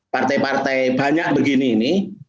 partai partai banyak begini ini